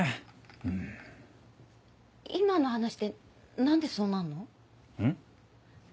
うん今の話で何でそうなんの？